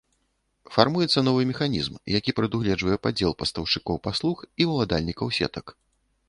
Фармуецца новы механізм, які прадугледжвае падзел пастаўшчыкоў паслуг і ўладальнікаў сетак.